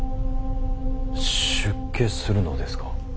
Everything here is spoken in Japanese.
出家するのですか。